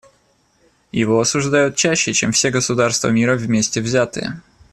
Его осуждают чаще, чем все государства мира вместе взятые.